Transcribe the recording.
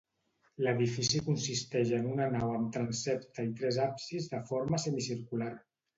L'edifici consisteix en una nau amb transsepte i tres absis de forma semicircular.